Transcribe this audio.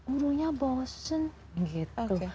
urunya bosan gitu